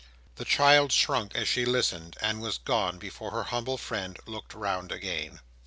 The child shrunk as she listened—and was gone, before her humble friend looked round again.